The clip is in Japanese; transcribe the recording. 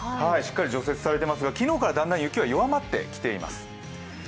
しっかり除雪されていますが、昨日からだんだん雪は弱まってきています。